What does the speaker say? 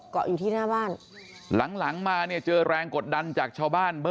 เกาะอยู่ที่หน้าบ้านหลังมาเนี่ยเจอแรงกดดันจากชาวบ้าน